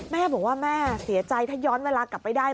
แม่บอกว่าแม่เสียใจถ้าย้อนเวลากลับไปได้